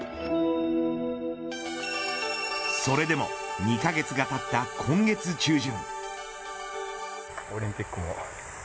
それでも２カ月がたった今月中旬。